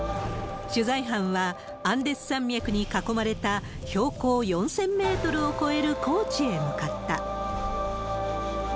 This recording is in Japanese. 取材班は、アンデス山脈に囲まれた、標高４０００メートルを超える高地へ向かった。